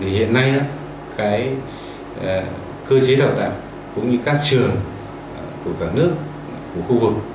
hiện nay cơ chế đào tạo cũng như các trường của cả nước của khu vực